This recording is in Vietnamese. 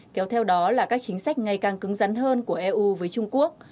kéo theo đó là các chính sách ngày càng cứng rắn hơn của eu với trung quốc